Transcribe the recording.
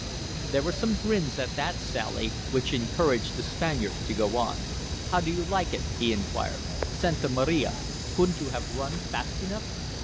There were some grins at that sally, which encouraged the Spaniard to go on. "How do you like it?" he inquired. "Santa Maria, couldn't you have run fast enough?"